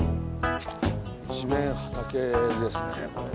一面畑ですねこれね。